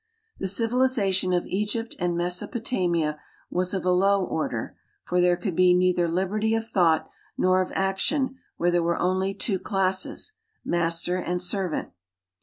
The civilization of Egypt and Mesopotamia was of a low order, for there could be neither liberty of thought nor of action where there were only two classes, master and servant.